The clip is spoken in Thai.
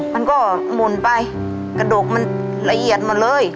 มันก็หมุนไปกระดูกมันละเอียดหมดเลย